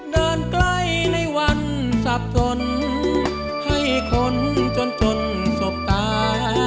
เดินใกล้ในวันสับสนให้คนจนจนสบตา